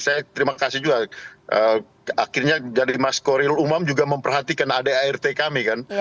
saya terima kasih juga akhirnya jadi mas koriul umam juga memperhatikan adart kami kan